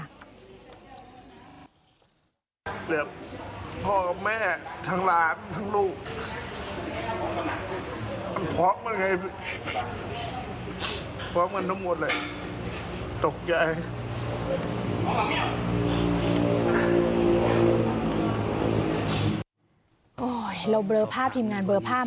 เราเบลอภาพทีมงานเบลอภาพมากเลยนะครับ